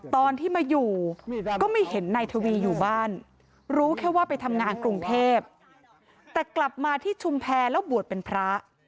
ตอนที่มาอยู่ก็ไม่เห็นนายทวีอยู่บ้านรู้แค่ว่าไปทำงานกรุงเทพแต่กลับมาที่ชุมแพรแล้วบวชเป็นพระ